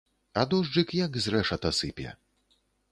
А дожджык як з рэшата сыпе.